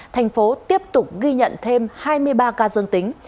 thành phố tiếp tục ghi nhận thêm hai mươi ba ca dương tính